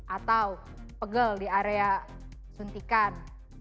atau pegel di area suntikan